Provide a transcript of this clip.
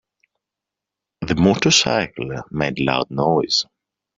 The motorcycle made loud noise.